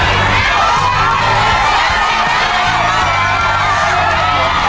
โอ้หมดทีละสองตัวแล้วนะฮะ